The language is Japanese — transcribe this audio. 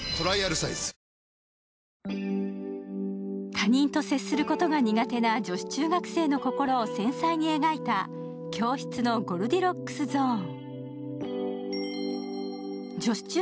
他人と接することが苦手な女子中学生の心を繊細に描いた「教室のゴルディロックスゾーン」。